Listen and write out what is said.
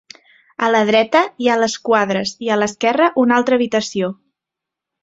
A la dreta hi ha les quadres i a l'esquerra una altra habitació.